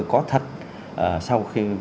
có thật sau khi